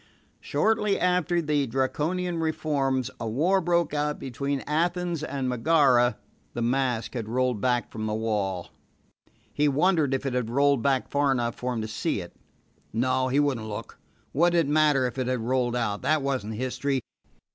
Shortly after the Draconian reforms, a war broke out between Athens and Megara The mask had rolled back from the wall. He wondered if it had rolled back far enough for him to see it. No, he would n't look. What did it matter if it had rolled out? That was n't history.